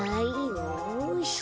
よし。